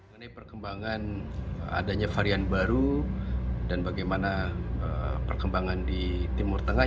mengenai perkembangan adanya varian baru dan bagaimana perkembangan di timur tengah